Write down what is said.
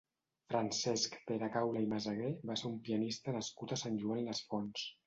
Francesc Peracaula i Masagué va ser un pianista nascut a Sant Joan les Fonts.